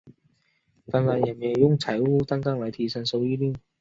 当然也没有用财务杠杆来提升收益率。